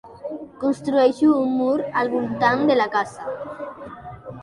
Construeixo un mur al voltant de la casa.